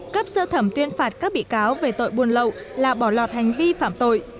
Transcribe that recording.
cấp sơ thẩm tuyên phạt các bị cáo về tội buôn lậu là bỏ lọt hành vi phạm tội